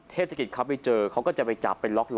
เทศกิจเขาไปเจอเขาก็จะไปจับไปล็อกล้อ